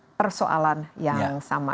persoalan yang sama